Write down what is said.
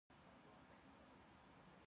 وروستی کنټرول د مالي کال په پای کې وي.